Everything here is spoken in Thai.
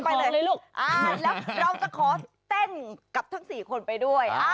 แล้วเราจะขอเต้นกับทั้งสี่คนไปด้วย